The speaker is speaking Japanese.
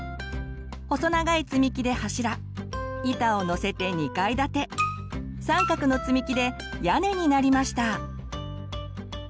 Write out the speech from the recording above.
細長いつみきで柱板をのせて２階建て三角のつみきで屋根になりました。